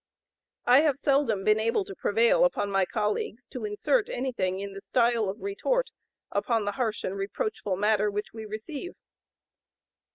I have seldom been able to prevail upon my colleagues to insert anything in the style of retort upon the harsh and reproachful matter which we receive."